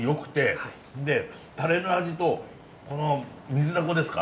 でたれの味とこのミズダコですか？